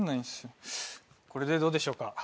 これでどうでしょうか？